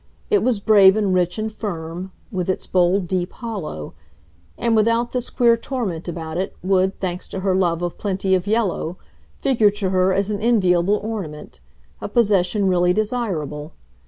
It was brave and rich and firm, with its bold deep hollow; and, without this queer torment about it, would, thanks to her love of plenty of yellow, figure to her as an enviable ornament, a possession really desirable.